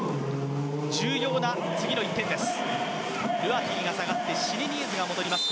重要な次の１点です。